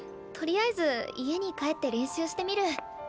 とりあえず家に帰って練習してみる。